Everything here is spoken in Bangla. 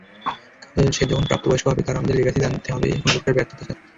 কাল সে যখন প্রাপ্তবয়স্ক হবে তার আমাদের লিগ্যাসি জানতে হবে, কোনোপ্রকার ব্যর্থতা ছাড়া।